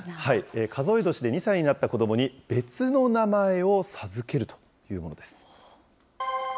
数え年で２歳になった子どもに別の名前を授けるというものです。